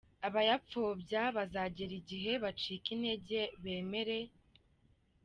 Abayapfobya bazagera igihe bacike intege, bemere.